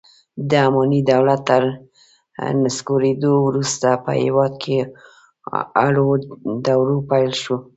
د اماني دولت تر نسکورېدو وروسته په هېواد کې اړو دوړ پیل شو.